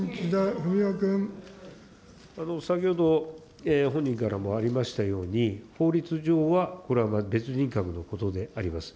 先ほど、本人からもありましたように、法律上は、これは別人格のことであります。